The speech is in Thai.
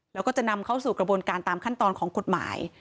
แล้วก็จะนำเข้าสู่กระบวนการตามขั้นตอนของกฎหมาย